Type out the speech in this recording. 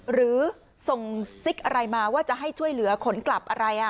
หรือส่งซิกอะไรมาว่าจะให้ช่วยเหลือขนกลับอะไร